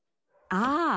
ああ。